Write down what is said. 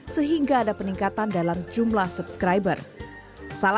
sehingga ada peningkatan dalam jumlah subscriber